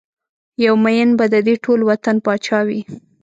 یو ميېن به ددې ټول وطن پاچا وي